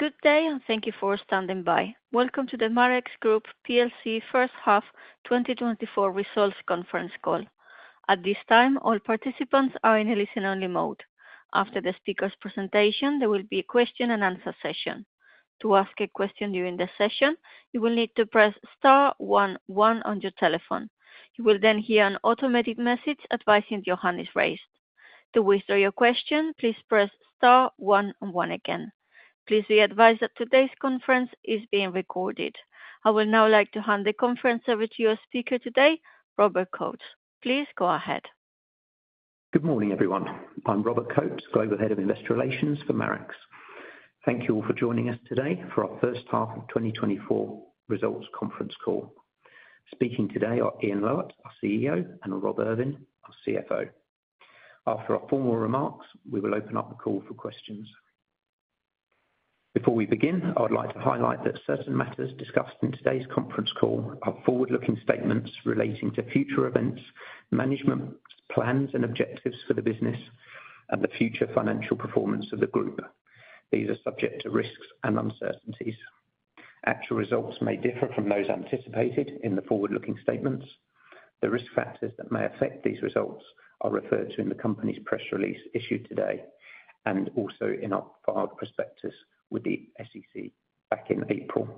Good day, and thank you for standing by. Welcome to the Marex Group PLC First Half 2024 Results Conference Call. At this time, all participants are in a listen-only mode. After the speaker's presentation, there will be a question-and-answer session. To ask a question during the session, you will need to press star one one on your telephone. You will then hear an automated message advising that your hand is raised. To withdraw your question, please press star one one again. Please be advised that today's conference is being recorded. I would now like to hand the conference over to your speaker today, Robert Coates. Please go ahead. Good morning, everyone. I'm Robert Coates, Global Head of Investor Relations for Marex. Thank you all for joining us today for our First Half of 2024 Results Conference Call. Speaking today are Ian Lowitt, our CEO, and Rob Irvine, our CFO. After our formal remarks, we will open up the call for questions. Before we begin, I would like to highlight that certain matters discussed in today's conference call are forward-looking statements relating to future events, management plans and objectives for the business, and the future financial performance of the group. These are subject to risks and uncertainties. Actual results may differ from those anticipated in the forward-looking statements. The risk factors that may affect these results are referred to in the company's press release issued today and also in our filed prospectus with the SEC back in April.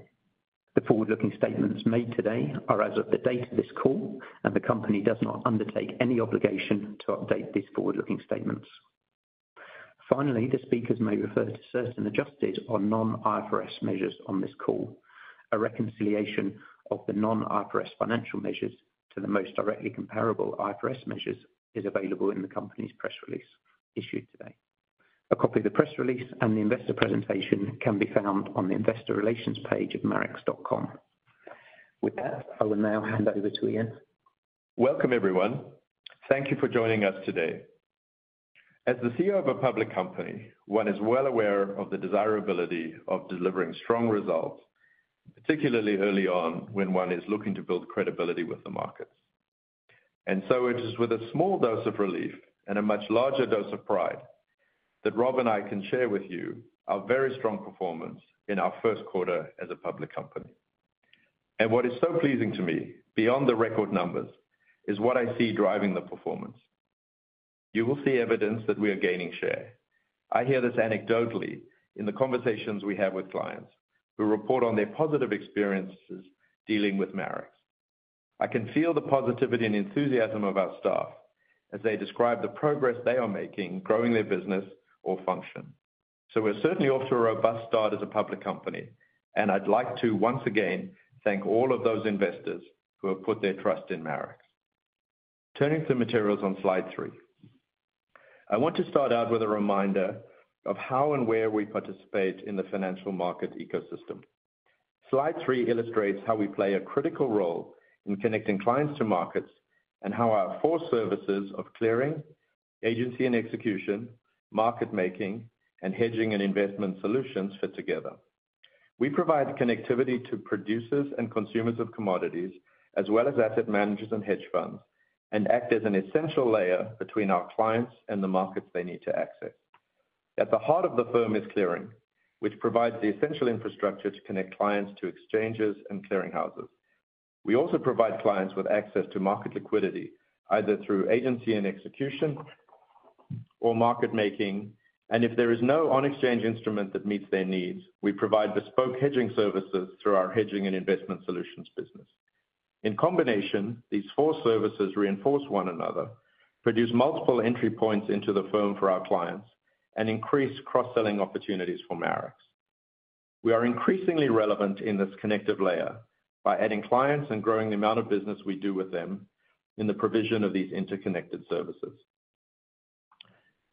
The forward-looking statements made today are as of the date of this call, and the company does not undertake any obligation to update these forward-looking statements. Finally, the speakers may refer to certain adjusted or non-IFRS measures on this call. A reconciliation of the non-IFRS financial measures to the most directly comparable IFRS measures is available in the company's press release issued today. A copy of the press release and the investor presentation can be found on the investor relations page of Marex.com. With that, I will now hand over to Ian. Welcome, everyone. Thank you for joining us today. As the CEO of a public company, one is well aware of the desirability of delivering strong results, particularly early on when one is looking to build credibility with the markets. And so it is with a small dose of relief and a much larger dose of pride that Rob and I can share with you our very strong performance in our first quarter as a public company. And what is so pleasing to me, beyond the record numbers, is what I see driving the performance. You will see evidence that we are gaining share. I hear this anecdotally in the conversations we have with clients who report on their positive experiences dealing with Marex. I can feel the positivity and enthusiasm of our staff as they describe the progress they are making, growing their business or function. So we're certainly off to a robust start as a public company, and I'd like to once again thank all of those investors who have put their trust in Marex. Turning to the materials on slide three. I want to start out with a reminder of how and where we participate in the financial market ecosystem. Slide three illustrates how we play a critical role in connecting clients to markets, and how our four services of clearing, agency and execution, Market Making, and Hedging and Investment Solutions fit together. We provide connectivity to producers and consumers of commodities, as well as asset managers and hedge funds, and act as an essential layer between our clients and the markets they need to access. At the heart of the firm is clearing, which provides the essential infrastructure to connect clients to exchanges and clearing houses. We also provide clients with access to market liquidity, either through agency and execution or Market Making, and if there is no on-exchange instrument that meets their needs, we provide bespoke hedging services through our Hedging and Investment Solutions business. In combination, these four services reinforce one another, produce multiple entry points into the firm for our clients, and increase cross-selling opportunities for Marex. We are increasingly relevant in this connective layer by adding clients and growing the amount of business we do with them in the provision of these interconnected services.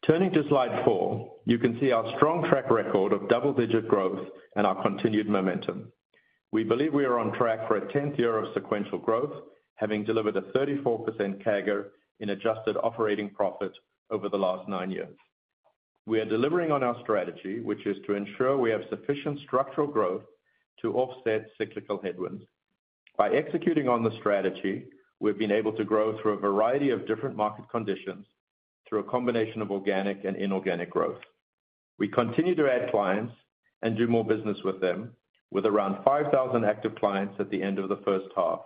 Turning to slide four, you can see our strong track record of double-digit growth and our continued momentum. We believe we are on track for a 10th year of sequential growth, having delivered a 34% CAGR in adjusted operating profit over the last nine years. We are delivering on our strategy, which is to ensure we have sufficient structural growth to offset cyclical headwinds. By executing on the strategy, we've been able to grow through a variety of different market conditions through a combination of organic and inorganic growth. We continue to add clients and do more business with them, with around 5,000 active clients at the end of the first half,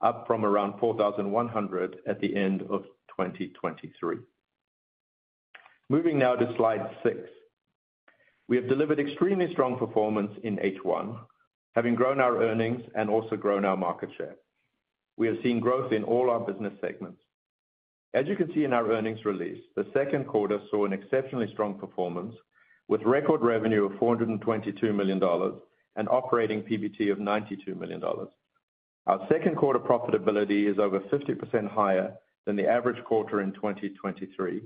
up from around 4,100 at the end of 2023. Moving now to slide six. We have delivered extremely strong performance in H1, having grown our earnings and also grown our market share. We have seen growth in all our business segments. As you can see in our earnings release, the second quarter saw an exceptionally strong performance, with record revenue of $422 million and operating PBT of $92 million. Our second quarter profitability is over 50% higher than the average quarter in 2023,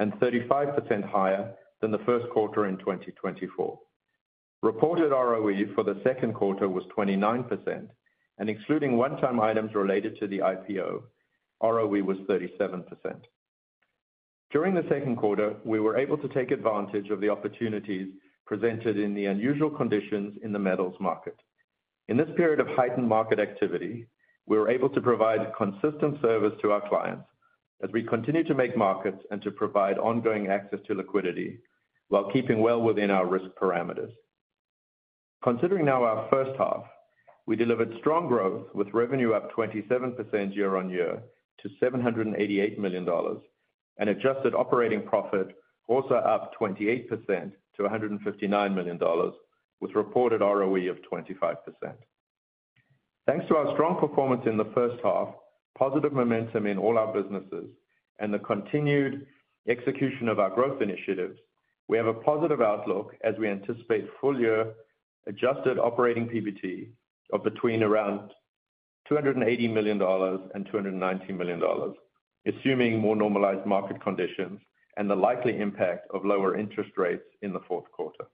and 35% higher than the first quarter in 2024. Reported ROE for the second quarter was 29%, and excluding one-time items related to the IPO, ROE was 37%. During the second quarter, we were able to take advantage of the opportunities presented in the unusual conditions in the metals market. In this period of heightened market activity, we were able to provide consistent service to our clients as we continued to make markets and to provide ongoing access to liquidity, while keeping well within our risk parameters. Considering now our first half, we delivered strong growth, with revenue up 27% year-on-year to $788 million, and adjusted operating profit also up 28% to $159 million, with reported ROE of 25%. Thanks to our strong performance in the first half, positive momentum in all our businesses, and the continued execution of our growth initiatives, we have a positive outlook as we anticipate full-year adjusted operating PBT of between around $280 million and $290 million, assuming more normalized market conditions and the likely impact of lower interest rates in the fourth quarter.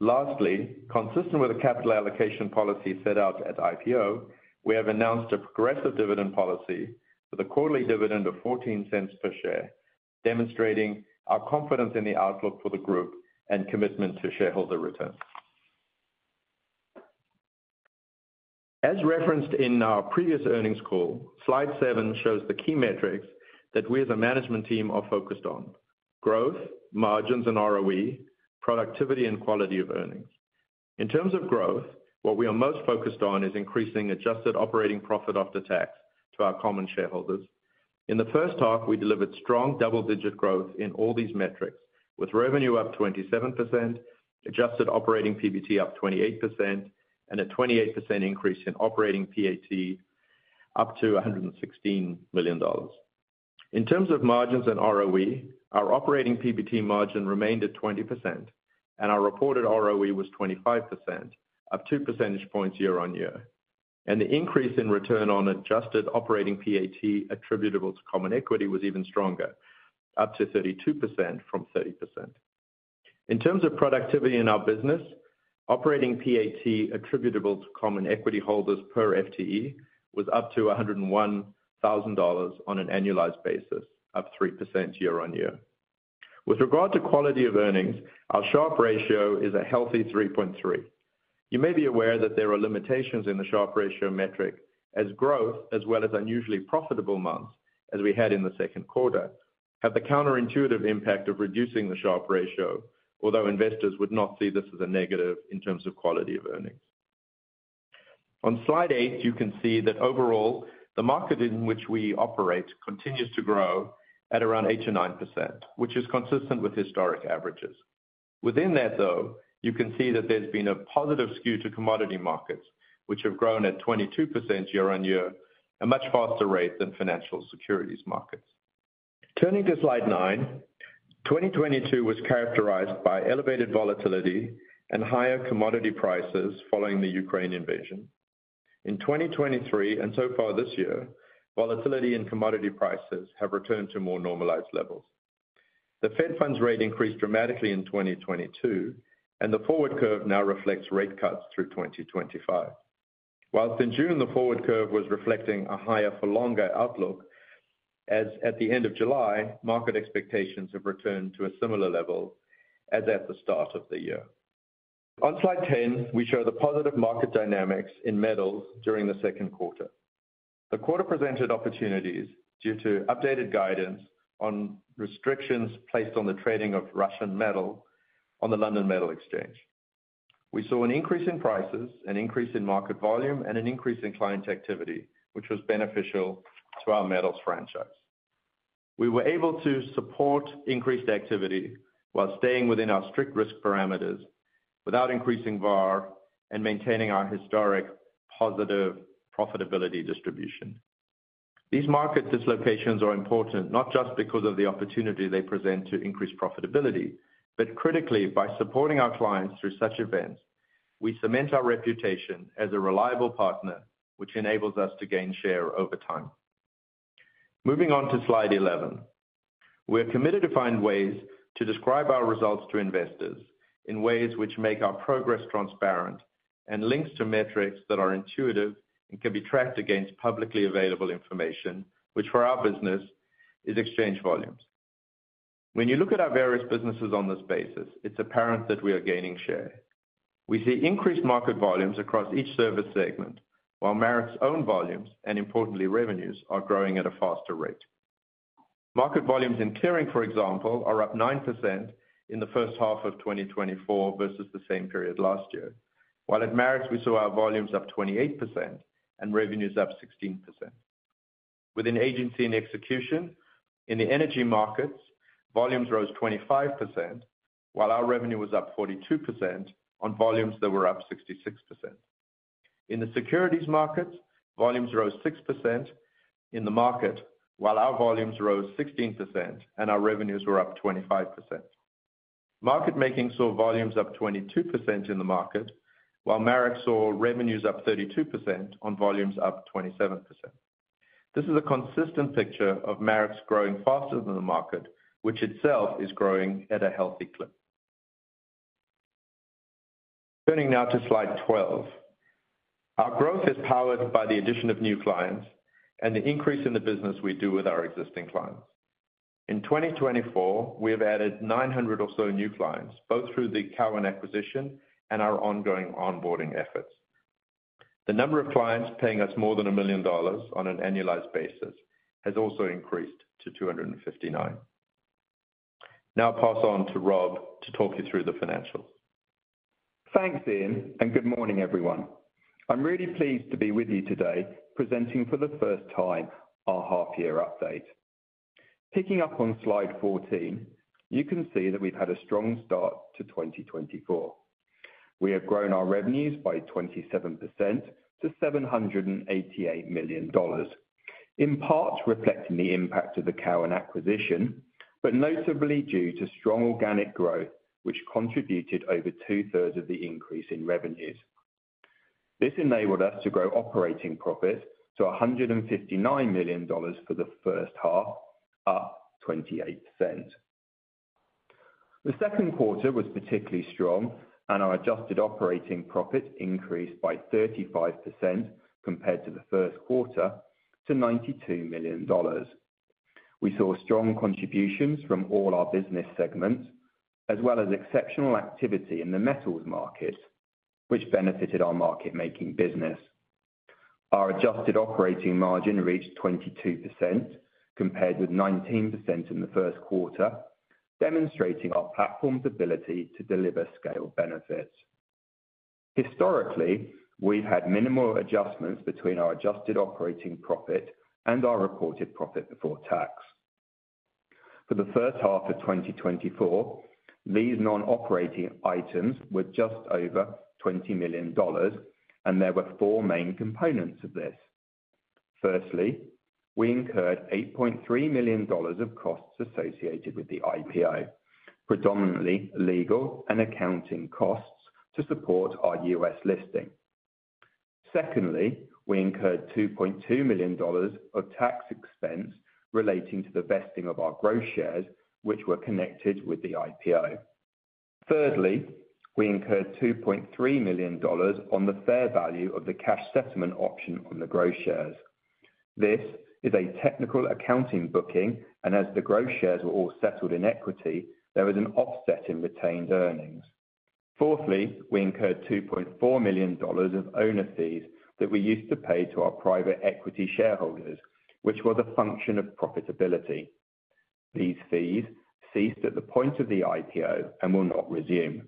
Lastly, consistent with the capital allocation policy set out at IPO, we have announced a progressive dividend policy with a quarterly dividend of $0.14 per share, demonstrating our confidence in the outlook for the group and commitment to shareholder return. As referenced in our previous earnings call, slide seven shows the key metrics that we as a management team are focused on: growth, margins and ROE, productivity, and quality of earnings. In terms of growth, what we are most focused on is increasing adjusted operating profit after tax to our common shareholders. In the first half, we delivered strong double-digit growth in all these metrics, with revenue up 27%, adjusted operating PBT up 28%, and a 28% increase in operating PAT up to $116 million. In terms of margins and ROE, our operating PBT margin remained at 20%, and our reported ROE was 25%, up 2% points year-on-year. And the increase in return on adjusted operating PAT attributable to common equity was even stronger, up to 32% from 30%. In terms of productivity in our business, operating PAT attributable to common equity holders per FTE was up to $101,000 on an annualized basis, up 3% year-on-year. With regard to quality of earnings, our Sharpe Ratio is a healthy 3.3. You may be aware that there are limitations in the Sharpe Ratio metric, as growth, as well as unusually profitable months, as we had in the second quarter, have the counterintuitive impact of reducing the Sharpe Ratio, although investors would not see this as a negative in terms of quality of earnings. On slide eight, you can see that overall, the market in which we operate continues to grow at around 8%-9%, which is consistent with historic averages. Within that, though, you can see that there's been a positive skew to commodity markets, which have grown at 22% year-on-year, a much faster rate than financial securities markets. Turning to slide nine, 2022 was characterized by elevated volatility and higher commodity prices following the Ukraine invasion. In 2023, and so far this year, volatility and commodity prices have returned to more normalized levels. The Fed Funds Rate increased dramatically in 2022, and the forward curve now reflects rate cuts through 2025. While in June, the forward curve was reflecting a higher-for-longer outlook, as at the end of July, market expectations have returned to a similar level as at the start of the year. On slide 10, we show the positive market dynamics in metals during the second quarter. The quarter presented opportunities due to updated guidance on restrictions placed on the trading of Russian metal on the London Metal Exchange. We saw an increase in prices, an increase in market volume, and an increase in client activity, which was beneficial to our metals franchise. We were able to support increased activity while staying within our strict risk parameters without increasing VaR and maintaining our historic positive profitability distribution. These market dislocations are important, not just because of the opportunity they present to increase profitability, but critically, by supporting our clients through such events, we cement our reputation as a reliable partner, which enables us to gain share over time. Moving on to slide 11. We are committed to find ways to describe our results to investors in ways which make our progress transparent and links to metrics that are intuitive and can be tracked against publicly available information, which, for our business, is exchange volumes. When you look at our various businesses on this basis, it's apparent that we are gaining share. We see increased market volumes across each service segment, while Marex's own volumes, and importantly, revenues, are growing at a faster rate. Market volumes in clearing, for example, are up 9% in the first half of 2024 vs the same period last year. While at Marex, we saw our volumes up 28% and revenues up 16%. Within agency and execution, in the energy markets, volumes rose 25%, while our revenue was up 42% on volumes that were up 66%. In the securities markets, volumes rose 6% in the market, while our volumes rose 16% and our revenues were up 25%. Market Making saw volumes up 22% in the market, while Marex saw revenues up 32% on volumes up 27%. This is a consistent picture of Marex growing faster than the market, which itself is growing at a healthy clip. Turning now to slide 12. Our growth is powered by the addition of new clients and the increase in the business we do with our existing clients. In 2024, we have added 900 or so new clients, both through the Cowen acquisition and our ongoing onboarding efforts. The number of clients paying us more than $1 million on an annualized basis has also increased to 259. Now I pass on to Rob to talk you through the financials. Thanks, Ian, and good morning, everyone. I'm really pleased to be with you today, presenting for the first time, our half-year update. Picking up on slide 14, you can see that we've had a strong start to 2024. We have grown our revenues by 27% to $788 million, in part reflecting the impact of the Cowen acquisition, but notably due to strong organic growth, which contributed over 2/3 of the increase in revenues. This enabled us to grow operating profits to $159 million for the first half, up 28%. The second quarter was particularly strong, and our adjusted operating profit increased by 35% compared to the first quarter, to $92 million. We saw strong contributions from all our business segments, as well as exceptional activity in the Metals market, which benefited our market-making business. Our adjusted operating margin reached 22%, compared with 19% in the first quarter, demonstrating our platform's ability to deliver scale benefits. Historically, we've had minimal adjustments between our adjusted operating profit and our reported profit before tax. For the first half of 2024, these non-operating items were just over $20 million, and there were four main components of this. Firstly, we incurred $8.3 million of costs associated with the IPO, predominantly legal and accounting costs to support our U.S. listing. Secondly, we incurred $2.2 million of tax expense relating to the vesting of our growth shares, which were connected with the IPO. Thirdly, we incurred $2.3 million on the fair value of the cash settlement option on the growth shares. This is a technical accounting booking, and as the growth shares were all settled in equity, there was an offset in retained earnings. Fourthly, we incurred $2.4 million of owner fees that we used to pay to our private equity shareholders, which were the function of profitability. These fees ceased at the point of the IPO and will not resume.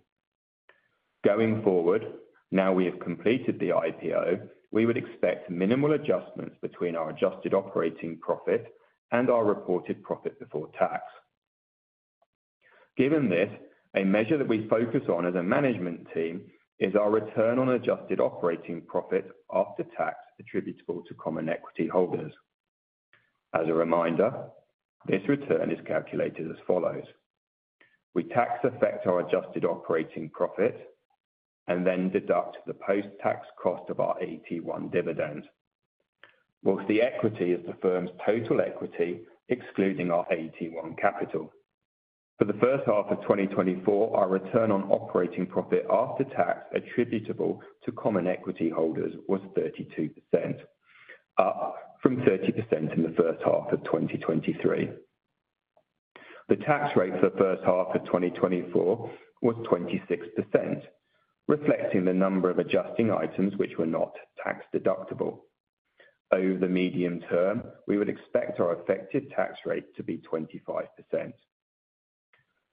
Going forward, now we have completed the IPO, we would expect minimal adjustments between our adjusted operating profit and our reported profit before tax. Given this, a measure that we focus on as a management team is our return on adjusted operating profit after tax attributable to common equity holders. As a reminder, this return is calculated as follows: We tax-affect our adjusted operating profit and then deduct the post-tax cost of our AT1 dividend. While the equity is the firm's total equity, excluding our AT1 capital. For the first half of 2024, our return on operating profit after tax attributable to common equity holders was 32%, up from 30% in the first half of 2023. The tax rate for the first half of 2024 was 26%, reflecting the number of adjusting items which were not tax-deductible. Over the medium term, we would expect our effective tax rate to be 25%.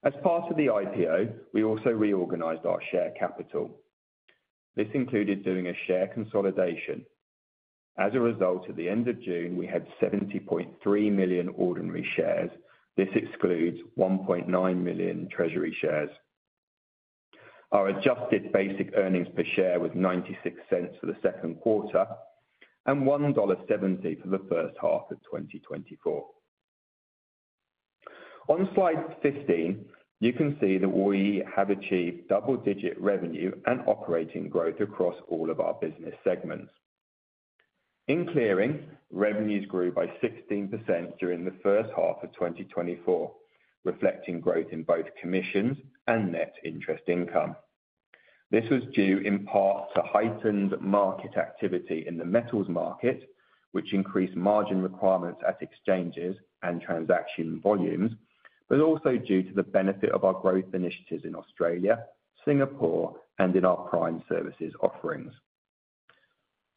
As part of the IPO, we also reorganized our share capital. This included doing a share consolidation. As a result, at the end of June, we had 70.3 million ordinary shares. This excludes 1.9 million treasury shares. Our adjusted basic earnings per share was $0.96 for the second quarter, and $1.70 for the first half of 2024. On slide 15, you can see that we have achieved double-digit revenue and operating growth across all of our business segments. In Clearing, revenues grew by 16% during the first half of 2024, reflecting growth in both commissions and net interest income. This was due, in part, to heightened market activity in the metals market, which increased margin requirements at exchanges and transaction volumes, but also due to the benefit of our growth initiatives in Australia, Singapore, and in our prime services offerings.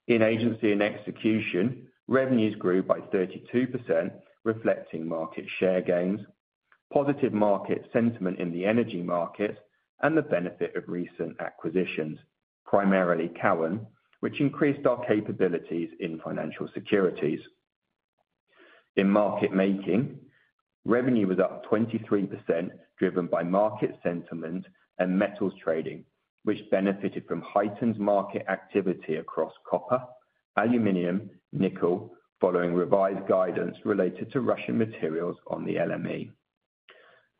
In Agency and Execution, revenues grew by 32%, reflecting market share gains, positive market sentiment in the energy market, and the benefit of recent acquisitions, primarily Cowen, which increased our capabilities in financial securities. In Market Making, revenue was up 23%, driven by market sentiment and metals trading, which benefited from heightened market activity across copper, aluminum, nickel, following revised guidance related to Russian materials on the LME.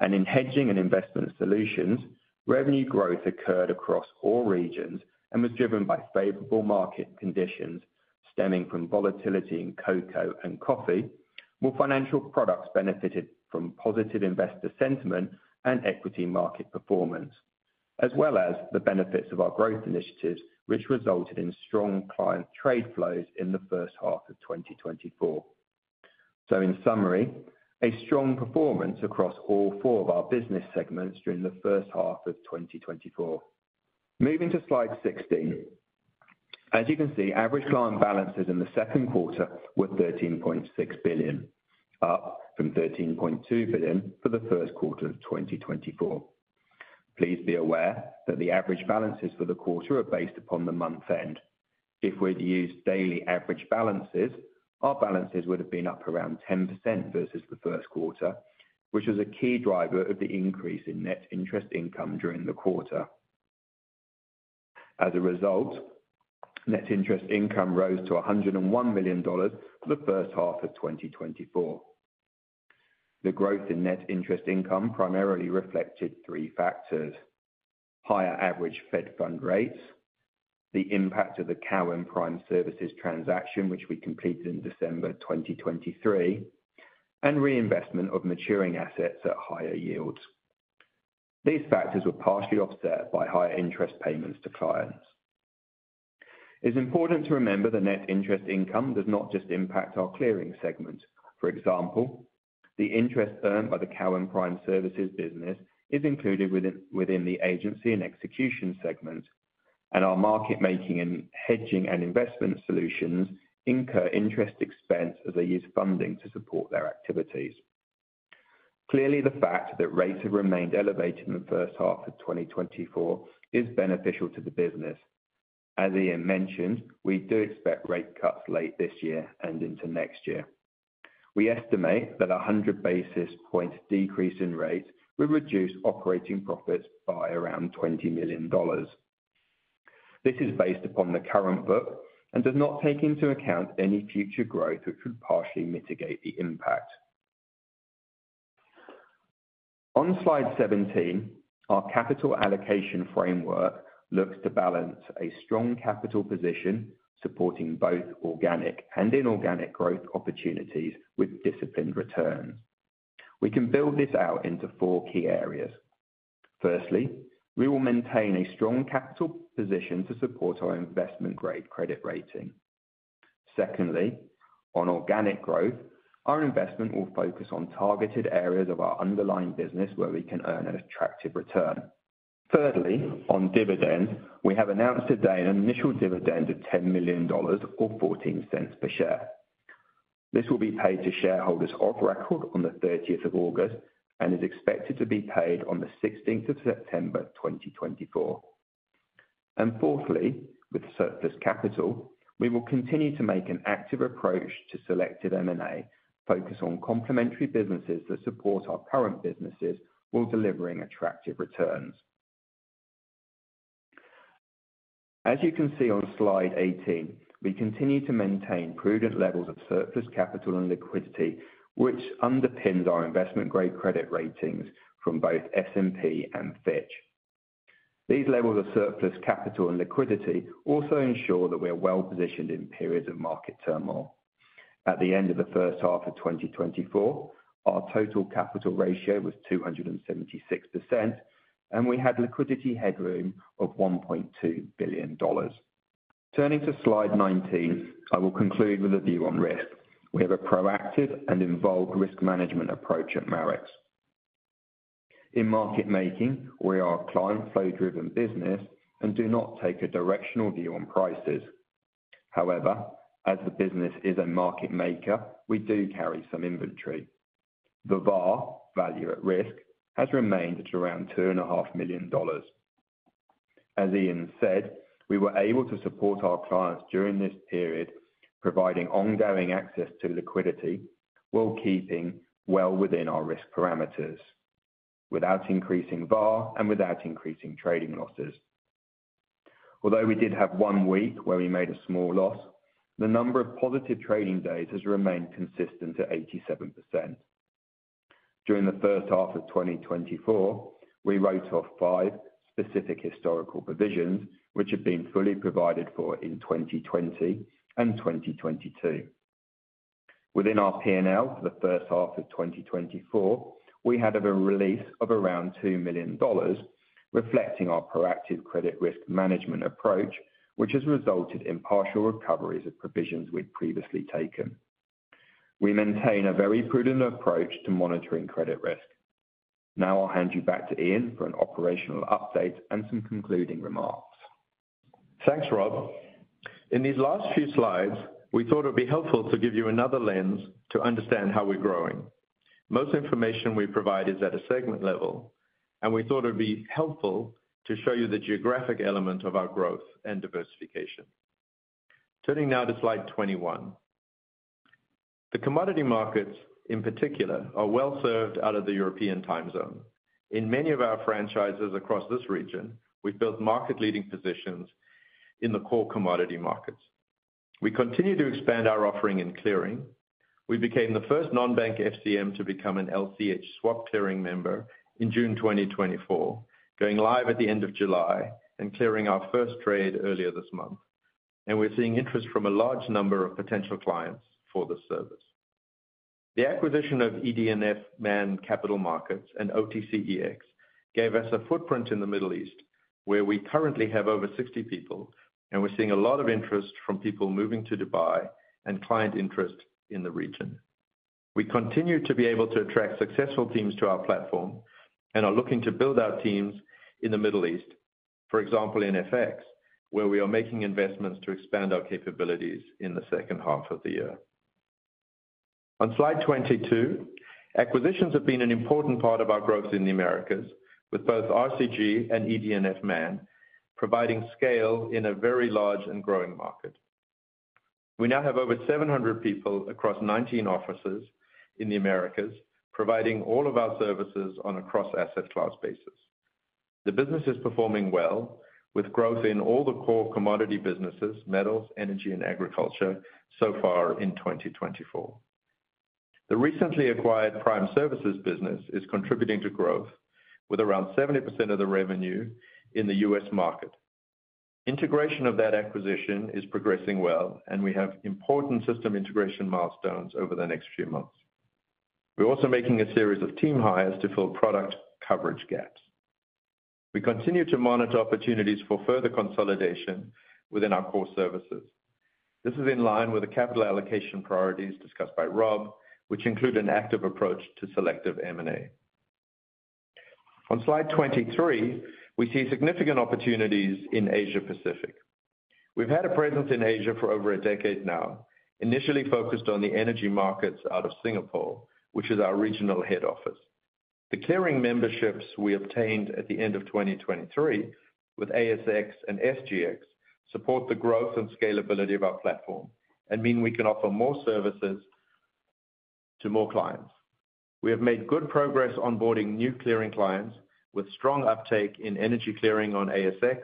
And in Hedging and Investment Solutions, revenue growth occurred across all regions and was driven by favorable market conditions stemming from volatility in cocoa and coffee, while financial products benefited from positive investor sentiment and equity market performance... as well as the benefits of our growth initiatives, which resulted in strong client trade flows in the first half of 2024. So in summary, a strong performance across all four of our business segments during the first half of 2024. Moving to slide 16. As you can see, average client balances in the second quarter were $13.6 billion, up from $13.2 billion for the first quarter of 2024. Please be aware that the average balances for the quarter are based upon the month end. If we'd used daily average balances, our balances would have been up around 10% vs the first quarter, which is a key driver of the increase in net interest income during the quarter. As a result, net interest income rose to $101 million for the first half of 2024. The growth in net interest income primarily reflected three factors: higher average Fed Funds Rate, the impact of the Cowen Prime Services transaction, which we completed in December 2023, and reinvestment of maturing assets at higher yields. These factors were partially offset by higher interest payments to clients. It's important to remember that net interest income does not just impact our Clearing segment. For example, the interest earned by the Cowen Prime Services business is included within the Agency and Execution segment, and our Market Making and Hedging and Investment Solutions incur interest expense as they use funding to support their activities. Clearly, the fact that rates have remained elevated in the first half of 2024 is beneficial to the business. As Ian mentioned, we do expect rate cuts late this year and into next year. We estimate that a 100 basis point decrease in rates will reduce operating profits by around $20 million. This is based upon the current book and does not take into account any future growth, which would partially mitigate the impact. On slide 17, our capital allocation framework looks to balance a strong capital position, supporting both organic and inorganic growth opportunities with disciplined returns. We can build this out into four key areas. Firstly, we will maintain a strong capital position to support our investment-grade credit rating. Secondly, on organic growth, our investment will focus on targeted areas of our underlying business where we can earn an attractive return. Thirdly, on dividends, we have announced today an initial dividend of $10 million or $0.14 per share. This will be paid to shareholders of record on the 13th of August and is expected to be paid on the 16th of September, 2024. And fourthly, with surplus capital, we will continue to make an active approach to selected M&A, focus on complementary businesses that support our current businesses while delivering attractive returns. As you can see on slide 18, we continue to maintain prudent levels of surplus capital and liquidity, which underpins our investment-grade credit ratings from both S&P and Fitch. These levels of surplus capital and liquidity also ensure that we are well-positioned in periods of market turmoil. At the end of the first half of 2024, our total capital ratio was 276%, and we had liquidity headroom of $1.2 billion. Turning to slide 19, I will conclude with a view on risk. We have a proactive and involved risk management approach at Marex. In Market Making, we are a client flow-driven business and do not take a directional view on prices. However, as the business is a market maker, we do carry some inventory. The VaR, value at risk, has remained at around $2.5 million. As Ian said, we were able to support our clients during this period, providing ongoing access to liquidity while keeping well within our risk parameters, without increasing VaR and without increasing trading losses. Although we did have one week where we made a small loss, the number of positive trading days has remained consistent at 87%. During the first half of 2024, we wrote off five specific historical provisions, which had been fully provided for in 2020 and 2022. Within our P&L, for the first half of 2024, we had a release of around $2 million, reflecting our proactive credit risk management approach, which has resulted in partial recoveries of provisions we'd previously taken. We maintain a very prudent approach to monitoring credit risk. Now I'll hand you back to Ian for an operational update and some concluding remarks. Thanks, Rob. In these last few slides, we thought it would be helpful to give you another lens to understand how we're growing. Most information we provide is at a segment level, and we thought it would be helpful to show you the geographic element of our growth and diversification. Turning now to slide 21. The commodity markets, in particular, are well served out of the European time zone. In many of our franchises across this region, we've built market-leading positions in the core commodity markets. We continue to expand our offering in clearing. We became the first non-bank FCM to become an LCH Swap clearing member in June 2024, going live at the end of July and clearing our first trade earlier this month. We're seeing interest from a large number of potential clients for this service. The acquisition of ED&F Man Capital Markets and OTCex gave us a footprint in the Middle East, where we currently have over 60 people, and we're seeing a lot of interest from people moving to Dubai and client interest in the region. We continue to be able to attract successful teams to our platform and are looking to build our teams in the Middle East. For example, in FX, where we are making investments to expand our capabilities in the second half of the year. On slide 22, acquisitions have been an important part of our growth in the Americas, with both RCG and ED&F Man providing scale in a very large and growing market. We now have over 700 people across 19 offices in the Americas, providing all of our services on a cross-asset class basis. The business is performing well, with growth in all the core commodity businesses, metals, energy and agriculture, so far in 2024. The recently acquired Prime Services business is contributing to growth, with around 70% of the revenue in the U.S. market. Integration of that acquisition is progressing well, and we have important system integration milestones over the next few months. We're also making a series of team hires to fill product coverage gaps. We continue to monitor opportunities for further consolidation within our core services. This is in line with the capital allocation priorities discussed by Rob, which include an active approach to selective M&A. On slide 23, we see significant opportunities in Asia Pacific. We've had a presence in Asia for over a decade now, initially focused on the energy markets out of Singapore, which is our regional head office. The clearing memberships we obtained at the end of 2023, with ASX and SGX, support the growth and scalability of our platform and mean we can offer more services to more clients. We have made good progress onboarding new clearing clients with strong uptake in energy clearing on ASX,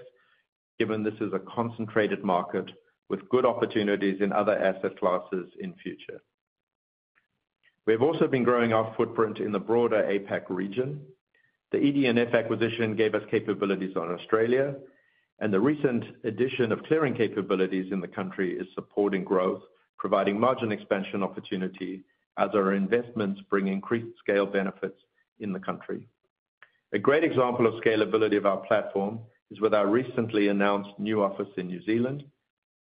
given this is a concentrated market with good opportunities in other asset classes in future. We have also been growing our footprint in the broader APAC region. The ED&F acquisition gave us capabilities on Australia, and the recent addition of clearing capabilities in the country is supporting growth, providing margin expansion opportunity as our investments bring increased scale benefits in the country. A great example of scalability of our platform is with our recently announced new office in New Zealand.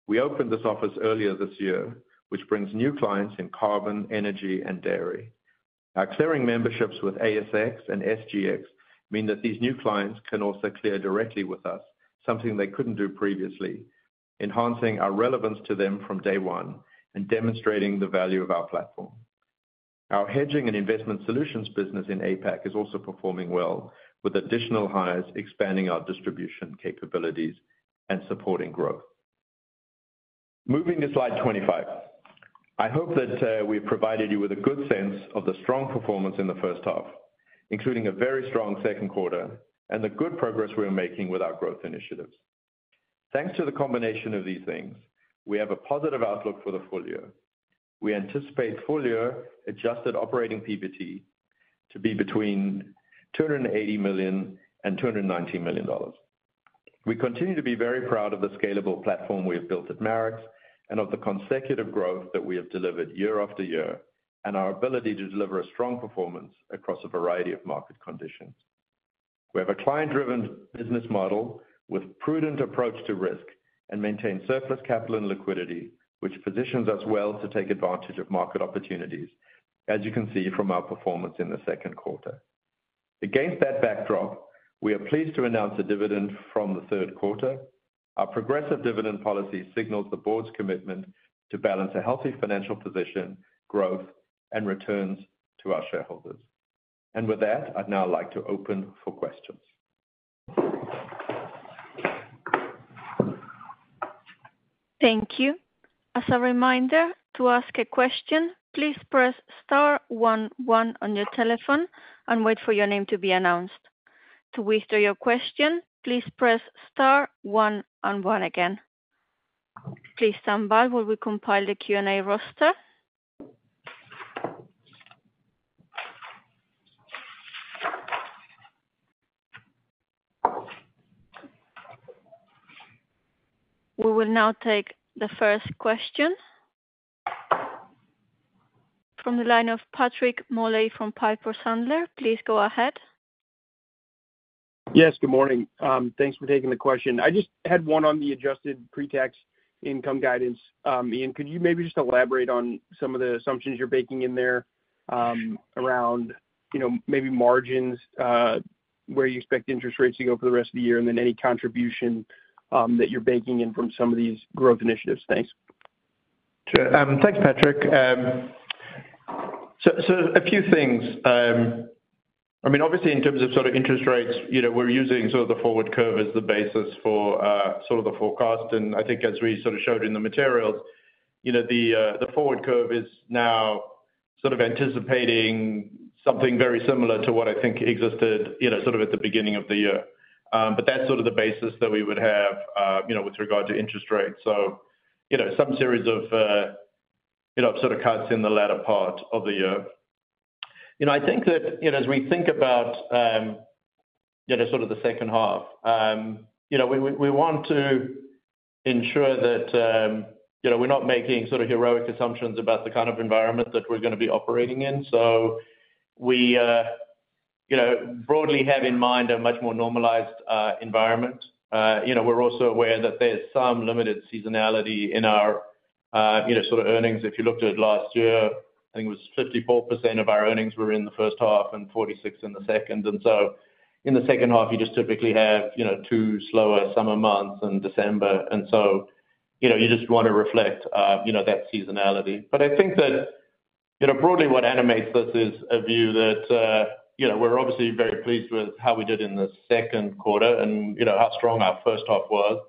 We opened this office earlier this year, which brings new clients in carbon, energy, and dairy. Our clearing memberships with ASX and SGX mean that these new clients can also clear directly with us, something they couldn't do previously, enhancing our relevance to them from day one and demonstrating the value of our platform. Our Hedging and Investment Solutions business in APAC is also performing well, with additional hires, expanding our distribution capabilities and supporting growth. Moving to slide 25. I hope that we've provided you with a good sense of the strong performance in the first half, including a very strong second quarter, and the good progress we are making with our growth initiatives. Thanks to the combination of these things, we have a positive outlook for the full year. We anticipate full-year adjusted operating PBT to be between $280 million and $290 million. We continue to be very proud of the scalable platform we have built at Marex, and of the consecutive growth that we have delivered year after year, and our ability to deliver a strong performance across a variety of market conditions. We have a client-driven business model with prudent approach to risk and maintain surplus capital and liquidity, which positions us well to take advantage of market opportunities, as you can see from our performance in the second quarter. Against that backdrop, we are pleased to announce a dividend from the third quarter. Our progressive dividend policy signals the board's commitment to balance a healthy financial position, growth, and returns to our shareholders. With that, I'd now like to open for questions. Thank you. As a reminder, to ask a question, please press star one one on your telephone and wait for your name to be announced. To withdraw your question, please press star one and one again. Please stand by while we compile the Q&A roster. We will now take the first question. From the line of Patrick Moley from Piper Sandler. Please go ahead. Yes, good morning. Thanks for taking the question. I just had one on the adjusted pre-tax income guidance. Ian, could you maybe just elaborate on some of the assumptions you're baking in there, around, you know, maybe margins, where you expect interest rates to go for the rest of the year, and then any contribution that you're baking in from some of these growth initiatives? Thanks. Sure. Thanks, Patrick. So a few things. I mean, obviously in terms of sort of interest rates, you know, we're using sort of the forward curve as the basis for sort of the forecast. And I think as we sort of showed in the materials, you know, the forward curve is now sort of anticipating something very similar to what I think existed, you know, sort of at the beginning of the year. But that's sort of the basis that we would have, you know, with regard to interest rates. So, you know, some series of, you know, sort of cuts in the latter part of the year.... You know, I think that, you know, as we think about, you know, sort of the second half, you know, we want to ensure that, you know, we're not making sort of heroic assumptions about the kind of environment that we're gonna be operating in. So we, you know, broadly have in mind a much more normalized environment. You know, we're also aware that there's some limited seasonality in our, you know, sort of earnings. If you looked at last year, I think it was 54% of our earnings were in the first half and 46 in the second. And so in the second half, you just typically have, you know, two slower summer months and December, and so, you know, you just want to reflect, you know, that seasonality. But I think that, you know, broadly, what animates us is a view that, you know, we're obviously very pleased with how we did in the second quarter and, you know, how strong our first half was.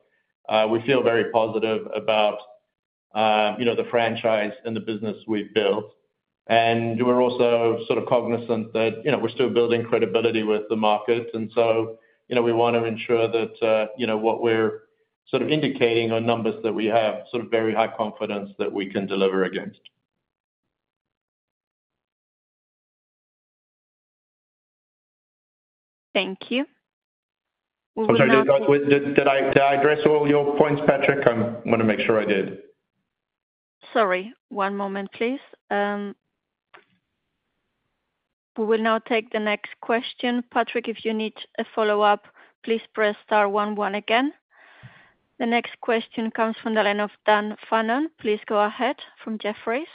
We feel very positive about, you know, the franchise and the business we've built, and we're also sort of cognizant that, you know, we're still building credibility with the market. And so, you know, we wanna ensure that, you know, what we're sort of indicating are numbers that we have sort of very high confidence that we can deliver against. Thank you. We will now- I'm sorry, did I address all your points, Patrick? I'm gonna make sure I did. Sorry, one moment, please. We will now take the next question. Patrick, if you need a follow-up, please press star one one again. The next question comes from the line of Dan Fannon. Please go ahead, from Jefferies.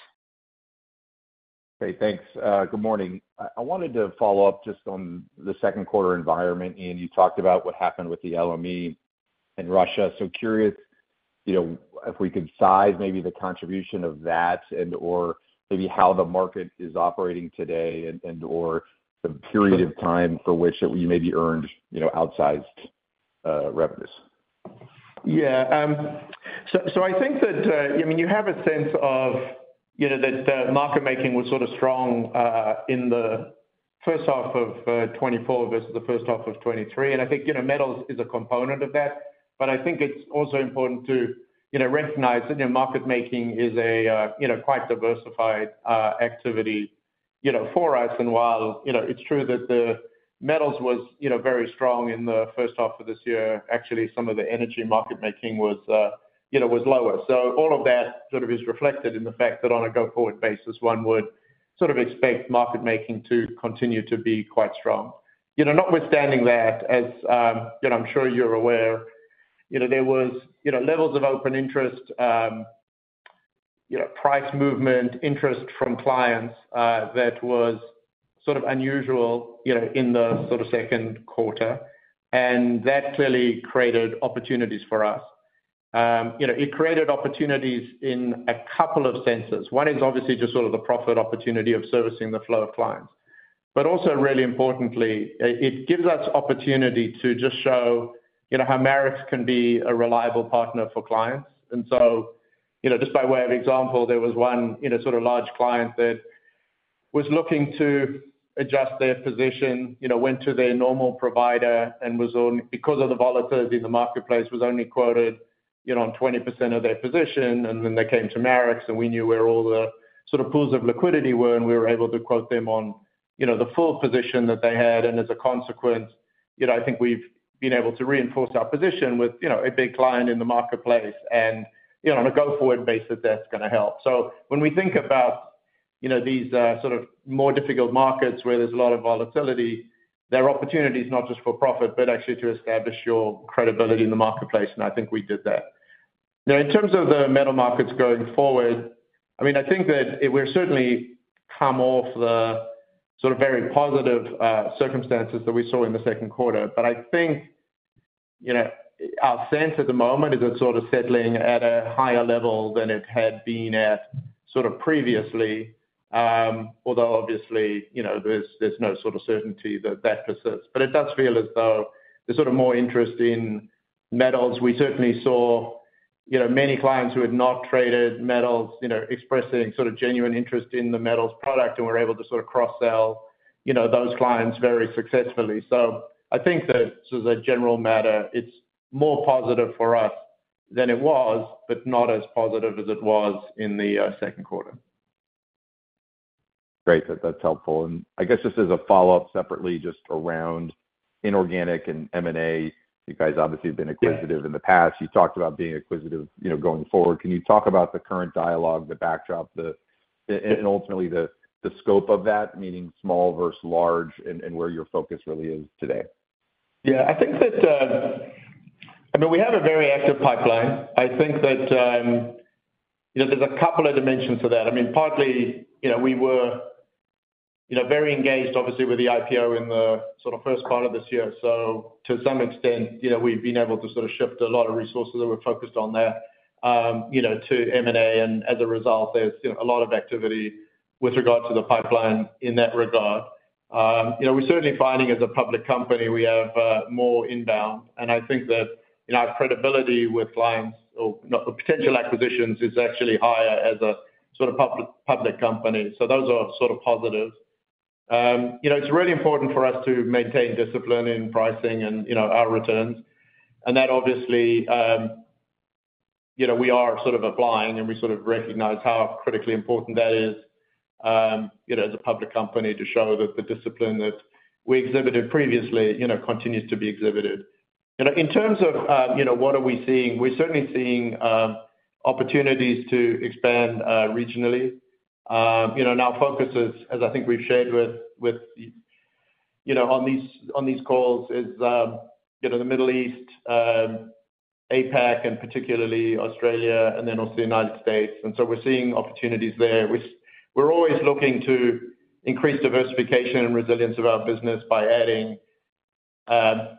Hey, thanks. Good morning. I wanted to follow up just on the second quarter environment. Ian, you talked about what happened with the LME in Russia. So curious, you know, if we could size maybe the contribution of that and/or maybe how the market is operating today and, and/or the period of time for which that we maybe earned, you know, outsized revenues. Yeah, so I think that, I mean, you have a sense of, you know, that Market Making was sort of strong in the first half of 2024 vs the first half of 2023. And I think, you know, metals is a component of that. But I think it's also important to, you know, recognize that your Market Making is a, you know, quite diversified activity, you know, for us. And while, you know, it's true that the metals was, you know, very strong in the first half of this year, actually, some of the energy Market Making was, you know, was lower. So all of that sort of is reflected in the fact that on a go-forward basis, one would sort of expect Market Making to continue to be quite strong. You know, notwithstanding that, as, you know, I'm sure you're aware, you know, there was, you know, levels of open interest, you know, price movement, interest from clients, that was sort of unusual, you know, in the sort of second quarter, and that clearly created opportunities for us. You know, it created opportunities in a couple of senses. One is obviously just sort of the profit opportunity of servicing the flow of clients, but also, really importantly, it gives us opportunity to just show, you know, how Marex can be a reliable partner for clients. And so, you know, just by way of example, there was one, you know, sort of large client that was looking to adjust their position, you know, went to their normal provider and was only because of the volatility in the marketplace, was only quoted, you know, on 20% of their position. And then they came to Marex, and we knew where all the sort of pools of liquidity were, and we were able to quote them on, you know, the full position that they had. And as a consequence, you know, I think we've been able to reinforce our position with, you know, a big client in the marketplace. And, you know, on a go-forward basis, that's gonna help. So when we think about, you know, these sort of more difficult markets where there's a lot of volatility, there are opportunities not just for profit, but actually to establish your credibility in the marketplace, and I think we did that. Now, in terms of the metal markets going forward, I mean, I think that we're certainly come off the sort of very positive circumstances that we saw in the second quarter. But I think, you know, our sense at the moment is it's sort of settling at a higher level than it had been at sort of previously. Although obviously, you know, there's, there's no sort of certainty that that persists, but it does feel as though there's sort of more interest in metals. We certainly saw, you know, many clients who had not traded metals, you know, expressing sort of genuine interest in the metals product, and we're able to sort of cross-sell, you know, those clients very successfully. So I think that as a general matter, it's more positive for us than it was, but not as positive as it was in the second quarter. Great. That, that's helpful. And I guess just as a follow-up, separately, just around inorganic and M&A, you guys obviously have been acquisitive in the past. Yeah. You talked about being acquisitive, you know, going forward. Can you talk about the current dialogue, the backdrop, and ultimately the scope of that, meaning small versus large, and where your focus really is today? Yeah, I think that, I mean, we have a very active pipeline. I think that, you know, there's a couple of dimensions to that. I mean, partly, you know, we were, you know, very engaged, obviously, with the IPO in the sort of first part of this year. So to some extent, you know, we've been able to sort of shift a lot of resources that were focused on there, you know, to M&A, and as a result, there's, you know, a lot of activity with regard to the pipeline in that regard. You know, we're certainly finding as a public company, we have, more inbound, and I think that, you know, our credibility with clients or not, for potential acquisitions is actually higher as a sort of public, public company. So those are sort of positives. You know, it's really important for us to maintain discipline in pricing and, you know, our returns, and that obviously. You know, we are sort of applying, and we sort of recognize how critically important that is, you know, as a public company to show that the discipline that we exhibited previously, you know, continues to be exhibited. And in terms of, you know, what are we seeing? We're certainly seeing opportunities to expand regionally. You know, and our focus is, as I think we've shared with, with, you know, on these, on these calls, is, you know, the Middle East, APAC, and particularly Australia, and then also the United States. And so we're seeing opportunities there. We're always looking to increase diversification and resilience of our business by adding,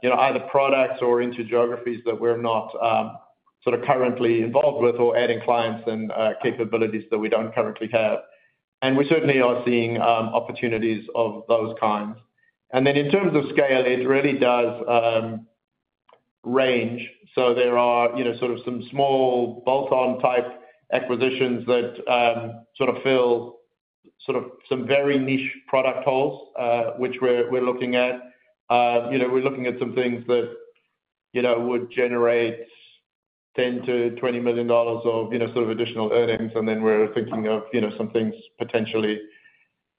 you know, either products or into geographies that we're not, sort of currently involved with, or adding clients and, capabilities that we don't currently have. And we certainly are seeing, opportunities of those kinds. And then in terms of scale, it really does, range. So there are, you know, sort of some small bolt-on type acquisitions that, sort of fill sort of some very niche product holes, which we're, we're looking at. You know, we're looking at some things that, you know, would generate $10 million-$20 million of, you know, sort of additional earnings. And then we're thinking of, you know, some things potentially,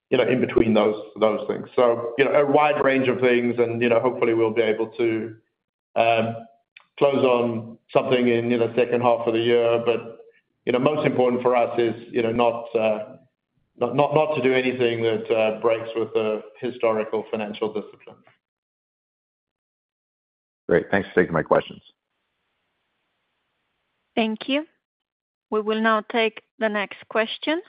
you know, in between those, those things. So, you know, a wide range of things and, you know, hopefully we'll be able to close on something in, you know, second half of the year. But, you know, most important for us is, you know, not to do anything that breaks with the historical financial discipline. Great. Thanks for taking my questions. Thank you. We will now take the next question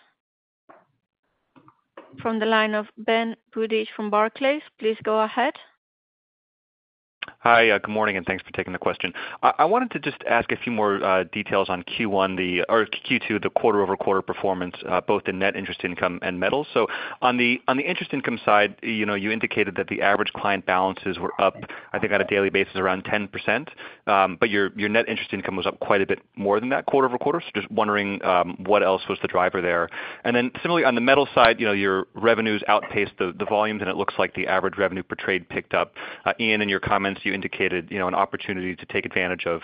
from the line of Ben Budish from Barclays. Please go ahead. Hi, good morning, and thanks for taking the question. I wanted to just ask a few more details on Q1 or Q2, the quarter-over-quarter performance, both the net interest income and metals. So on the interest income side, you know, you indicated that the average client balances were up, I think, on a daily basis, around 10%. But your net interest income was up quite a bit more than that quarter-over-quarter. So just wondering, what else was the driver there? And then similarly, on the metals side, you know, your revenues outpaced the volumes, and it looks like the average revenue per trade picked up. Ian, in your comments, you indicated, you know, an opportunity to take advantage of,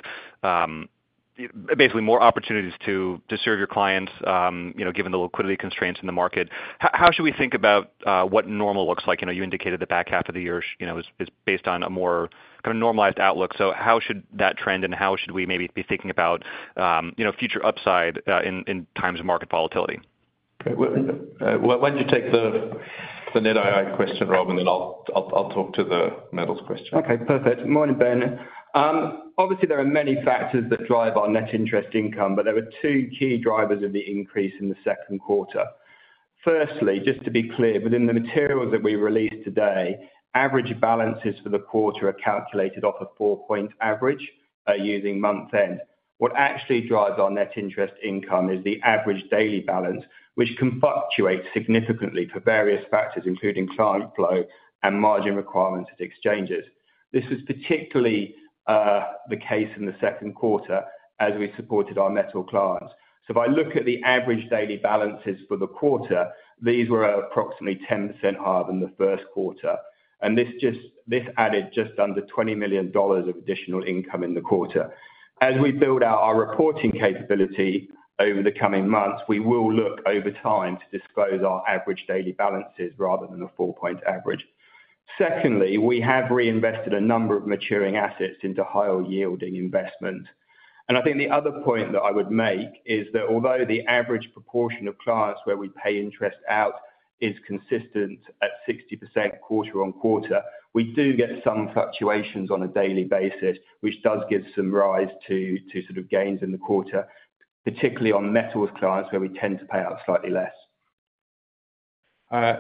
basically, more opportunities to serve your clients, you know, given the liquidity constraints in the market. How should we think about what normal looks like? You know, you indicated the back half of the year, you know, is based on a more kind of normalized outlook. So how should that trend, and how should we maybe be thinking about, you know, future upside, in times of market volatility? Great. Well, why don't you take the net II question, Rob, and then I'll talk to the metals question. Okay, perfect. Morning, Ben. Obviously, there are many factors that drive our net interest income, but there were two key drivers of the increase in the second quarter. Firstly, just to be clear, within the materials that we released today, average balances for the quarter are calculated off a four-point average, using month-end. What actually drives our net interest income is the average daily balance, which can fluctuate significantly for various factors, including client flow and margin requirements at exchanges. This is particularly the case in the second quarter as we supported our metal clients. So if I look at the average daily balances for the quarter, these were approximately 10% higher than the first quarter, and this added just under $20 million of additional income in the quarter. As we build out our reporting capability over the coming months, we will look over time to disclose our average daily balances rather than the four-point average. Secondly, we have reinvested a number of maturing assets into higher-yielding investment. And I think the other point that I would make is that although the average proportion of clients where we pay interest out is consistent at 60% quarter-over-quarter, we do get some fluctuations on a daily basis, which does give some rise to sort of gains in the quarter, particularly on metals clients, where we tend to pay out slightly less.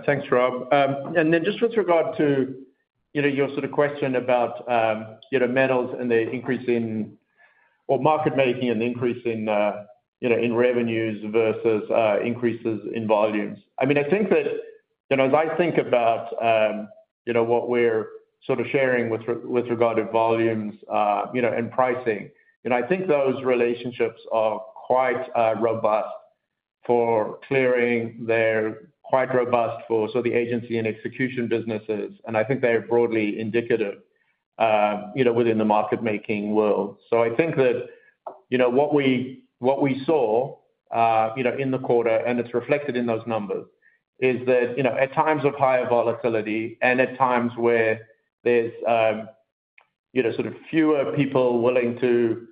Thanks, Rob. And then just with regard to, you know, your sort of question about, you know, metals and the increase in... or Market Making and the increase in, you know, in revenues versus, increases in volumes. I mean, I think that, you know, as I think about, you know, what we're sort of sharing with re- with regard to volumes, you know, and pricing, you know, I think those relationships are quite, robust for clearing. They're quite robust for sort of the agency and execution businesses, and I think they are broadly indicative, you know, within the market-making world. So I think that, you know, what we, what we saw, you know, in the quarter, and it's reflected in those numbers, is that, you know, at times of higher volatility and at times where there's, you know, sort of fewer people willing to, you know,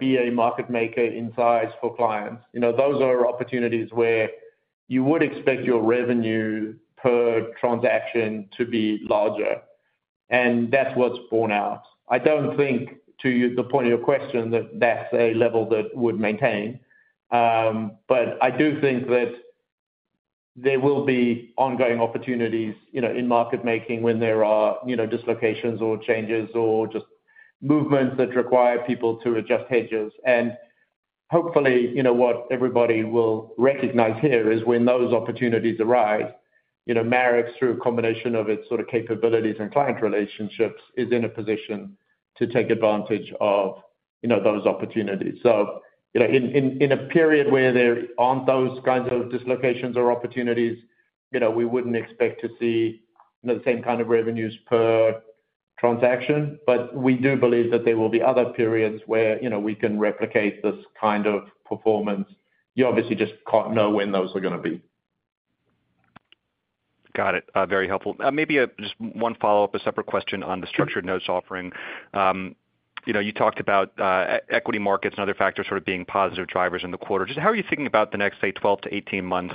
be a market maker in size for clients, you know, those are opportunities where you would expect your revenue per transaction to be larger, and that's what's borne out. I don't think, to your point, that that's a level that would maintain. But I do think that there will be ongoing opportunities, you know, in Market Making when there are, you know, dislocations or changes or just movements that require people to adjust hedges. Hopefully, you know, what everybody will recognize here is when those opportunities arise, you know, Marex, through a combination of its sort of capabilities and client relationships, is in a position to take advantage of, you know, those opportunities. So, you know, in a period where there aren't those kinds of dislocations or opportunities, you know, we wouldn't expect to see the same kind of revenues per transaction, but we do believe that there will be other periods where, you know, we can replicate this kind of performance. You obviously just can't know when those are gonna be. Got it. Very helpful. Maybe just one follow-up, a separate question on the structured notes offering. You know, you talked about equity markets and other factors sort of being positive drivers in the quarter. Just how are you thinking about the next, say, 12-18 months?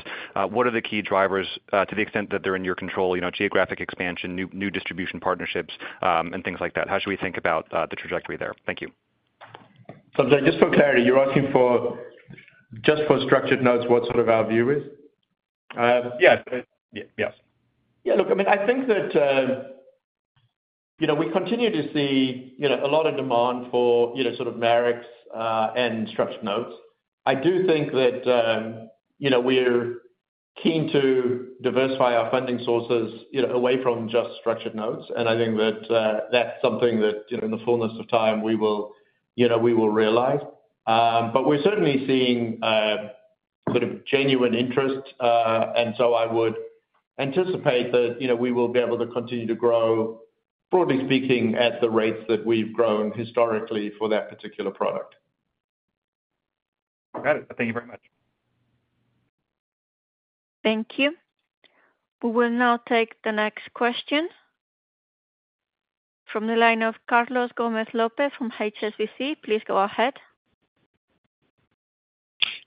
What are the key drivers, to the extent that they're in your control, you know, geographic expansion, new distribution partnerships, and things like that? How should we think about the trajectory there? Thank you. So, just for clarity, you're asking for, just for structured notes, what sort of our view is? Yes. Yes. Yeah, look, I mean, I think that, you know, we continue to see, you know, a lot of demand for, you know, sort of Marex, and structured notes. I do think that, you know, we're keen to diversify our funding sources, you know, away from just structured notes. And I think that, that's something that, you know, in the fullness of time, we will, you know, we will realize. But we're certainly seeing, sort of genuine interest. And so I would anticipate that, you know, we will be able to continue to grow, broadly speaking, at the rates that we've grown historically for that particular product. Got it. Thank you very much. Thank you. We will now take the next question from the line of Carlos Gomez-Lopez from HSBC. Please go ahead.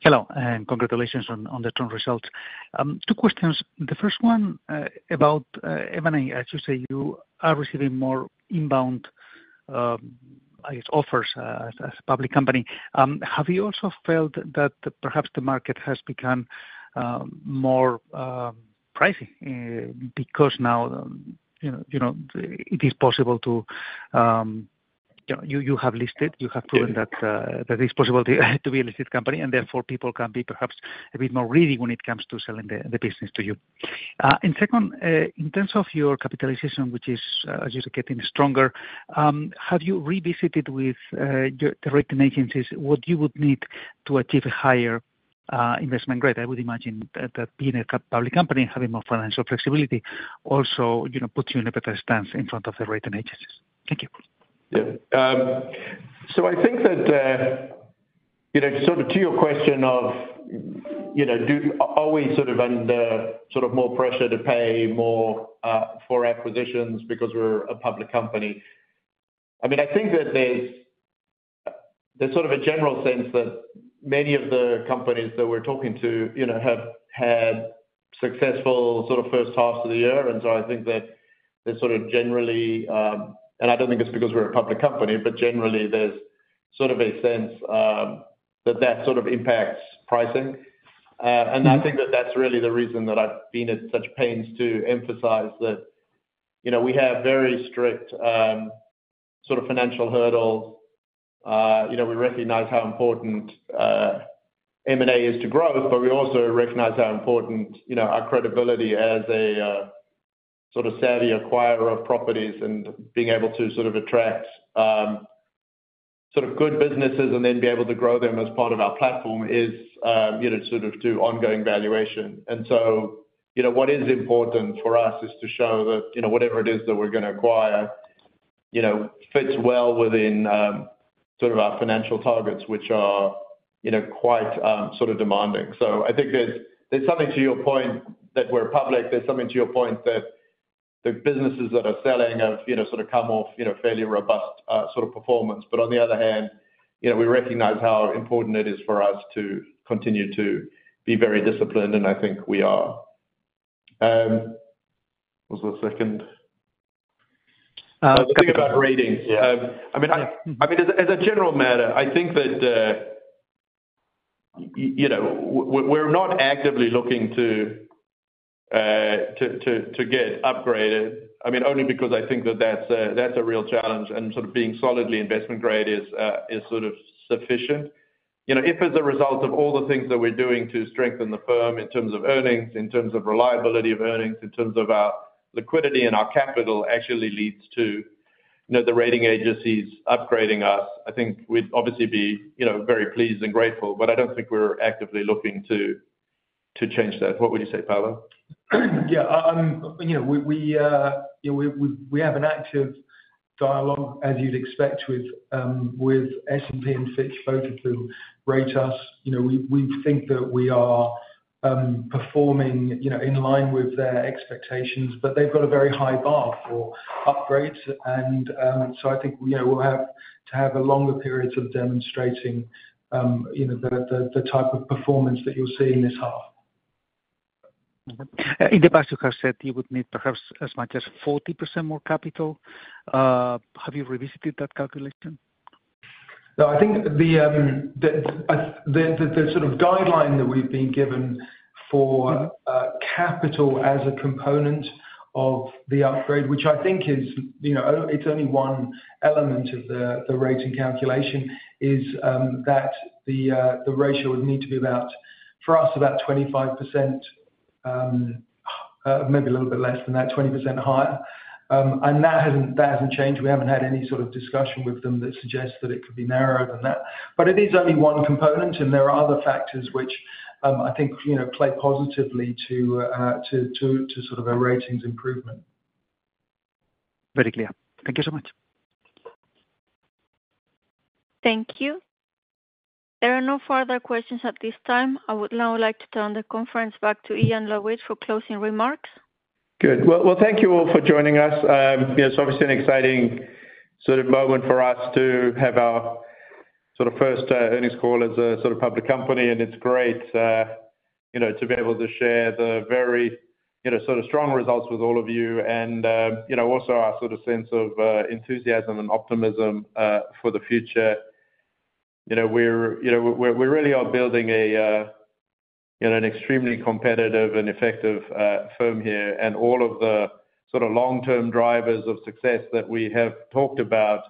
Hello, and congratulations on the interim results. Two questions. The first one about M&A. As you say, you are receiving more inbound, I guess, offers, as a public company. Have you also felt that perhaps the market has become more pricey because now, you know, you know, it is possible to... You have listed, you have proven that it's possible to be a listed company, and therefore people can be perhaps a bit more ready when it comes to selling the business to you. And second, in terms of your capitalization, which is just getting stronger, have you revisited with the rating agencies what you would need to achieve a higher investment grade? I would imagine that being a public company and having more financial flexibility also, you know, puts you in a better stance in front of the rating agencies. Thank you. Yeah. So I think that, you know, sort of to your question of, you know, are we sort of under sort of more pressure to pay more for acquisitions because we're a public company? I mean, I think that there's sort of a general sense that many of the companies that we're talking to, you know, have had successful sort of first half of the year. And so I think that there's sort of generally, and I don't think it's because we're a public company, but generally there's sort of a sense that that sort of impacts pricing. And I think that that's really the reason that I've been at such pains to emphasize that, you know, we have very strict sort of financial hurdles. You know, we recognize how important M&A is to growth, but we also recognize how important, you know, our credibility as a sort of savvy acquirer of properties and being able to sort of attract sort of good businesses and then be able to grow them as part of our platform is, you know, sort of to ongoing valuation. And so, you know, what is important for us is to show that, you know, whatever it is that we're gonna acquire, you know, fits well within sort of our financial targets, which are, you know, quite sort of demanding. So I think there's something to your point that we're public. There's something to your point that the businesses that are selling have, you know, sort of come off, you know, fairly robust sort of performance. But on the other hand, you know, we recognize how important it is for us to continue to be very disciplined, and I think we are. What was the second? Think about ratings. Yeah. I mean, as a general matter, I think that, you know, we're not actively looking to get upgraded. I mean, only because I think that that's a real challenge, and sort of being solidly investment grade is sort of sufficient. You know, if as a result of all the things that we're doing to strengthen the firm in terms of earnings, in terms of reliability of earnings, in terms of our liquidity and our capital, actually leads to the rating agencies upgrading us, I think we'd obviously be very pleased and grateful, but I don't think we're actively looking to change that. What would you say, Paolo? Yeah, you know, we have an active dialogue, as you'd expect with S&P and Fitch, both of whom rate us. You know, we think that we are performing, you know, in line with their expectations, but they've got a very high bar for upgrades. And so I think, you know, we'll have to have a longer period of demonstrating, you know, the type of performance that you'll see in this half. Mm-hmm. In the past, you have said you would need perhaps as much as 40% more capital. Have you revisited that calculation? No, I think the sort of guideline that we've been given for capital as a component of the upgrade, which I think is, you know, only, it's only one element of the rating calculation, is that the ratio would need to be about, for us, about 25%, maybe a little bit less than that, 20% higher. And that hasn't changed. We haven't had any sort of discussion with them that suggests that it could be narrower than that. But it is only one component, and there are other factors which I think, you know, play positively to sort of a ratings improvement. Very clear. Thank you so much. Thank you. There are no further questions at this time. I would now like to turn the conference back to Ian Lowitt for closing remarks. Good. Well, thank you all for joining us. You know, it's obviously an exciting sort of moment for us to have our sort of first earnings call as a sort of public company, and it's great, you know, to be able to share the very, you know, sort of strong results with all of you. And, you know, also our sort of sense of enthusiasm and optimism for the future. You know, we're, you know, we're, we really are building a, you know, an extremely competitive and effective firm here, and all of the sort of long-term drivers of success that we have talked about,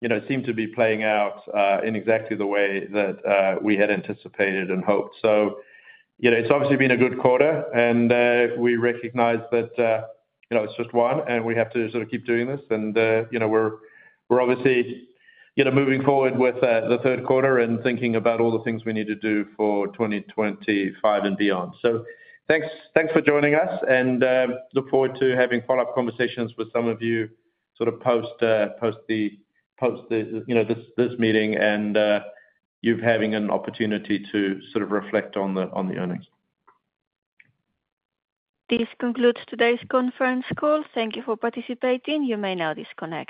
you know, seem to be playing out in exactly the way that we had anticipated and hoped. So, you know, it's obviously been a good quarter, and we recognize that, you know, it's just one, and we have to sort of keep doing this. And you know, we're obviously, you know, moving forward with the third quarter and thinking about all the things we need to do for 2025 and beyond. So thanks for joining us, and look forward to having follow-up conversations with some of you, sort of post this meeting, and you having an opportunity to sort of reflect on the earnings. This concludes today's conference call. Thank you for participating. You may now disconnect.